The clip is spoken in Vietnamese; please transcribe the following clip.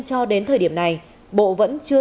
cho đến thời điểm này bộ vẫn chưa